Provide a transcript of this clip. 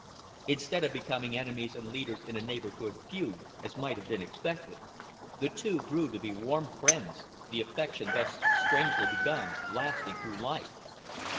Instead of becoming enemies and leaders in a neighborhood feud, as might have been expected, the two grew to be warm friends, the affection thus strangely begun lasting through life.